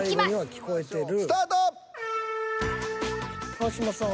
［川島さん